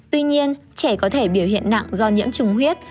tuy nhiên trẻ có thể biểu hiện nặng do nhiễm trùng huyết